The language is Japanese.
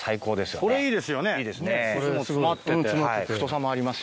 これいいですよね。